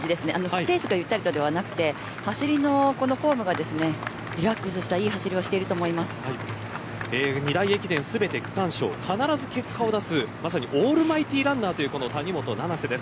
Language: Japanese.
ペースがゆったりとではなく走りのフォームがリラックスしたいい走りを二大駅伝全て区間賞、必ず結果を出すオールマイティーランナーという谷本七星です。